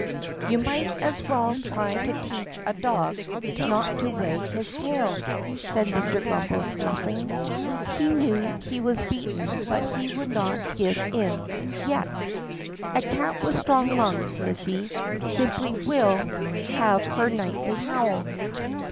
"You might as well try to teach a dog not to wag his tail," said Mr. Grummbel, snuffling. He knew he was beaten but he would not give in — yet. "A cat with strong lungs, missy, simply will have her nightly howl."